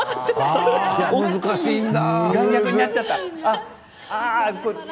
難しいんだ。